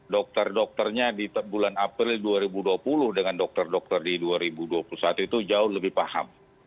dokter dokternya di bulan april dua ribu dua puluh dengan dokter dokter di dua ribu dua puluh satu itu jauh lebih paham